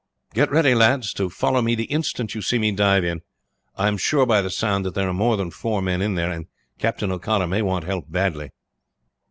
"Get ready, lads, to follow me the instant you see me dive in," he said. "I am sure by the sound there are more than four men in there, and Captain O'Connor may want help badly."